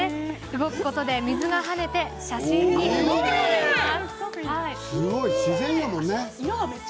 動くことで水が跳ねて写真に動きも出ます。